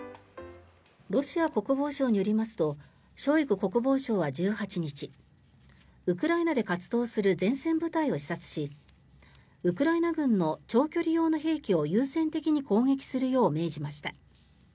ロシア国防省によりますとショイグ国防相は１８日ウクライナで活動する前線部隊を視察しウクライナ軍の長距離用の兵器を優先的に攻撃するよう命じました。